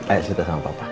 ayo cerita sama pak jajang